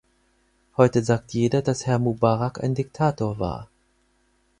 Heute sagt jeder, dass Herr Mubarak ein Diktator war.